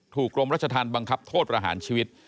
กรมรัชธรรมบังคับโทษประหารชีวิต